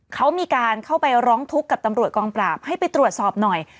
เขามีการเข้าไปร้องทุกข์กับตำรวจกองปราบให้ไปตรวจสอบหน่อย